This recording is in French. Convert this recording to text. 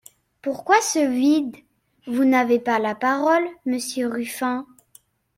Pourquoi ce vide ? Vous n’avez pas la parole, monsieur Ruffin.